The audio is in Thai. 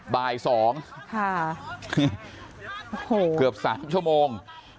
บ่าย๒เกือบ๓ชั่วโมง